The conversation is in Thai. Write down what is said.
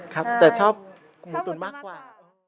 ครับแต่ชอบหมูตุ๋นมากกว่า